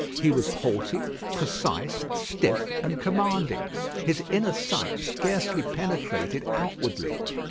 He was haughty, precise, stiff, and commanding. His inner sight scarcely penetrated outwardly.